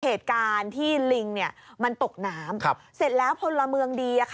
เหตุการณ์ที่ลิงมันตกน้ำเสร็จแล้วพลเมืองดี